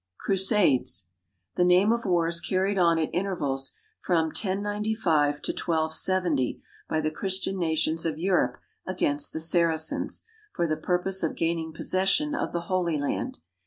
=Crusades.= The name of wars carried on at intervals from 1095 to 1270 by the Christian nations of Europe against the Saracens, for the purpose of gaining possession of the Holy Land.